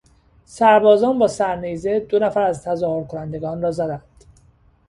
سربازان با سرنیزه دو نفر از تظاهر کنندگان را زدند.